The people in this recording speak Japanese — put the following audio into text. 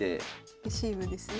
レシーブですね。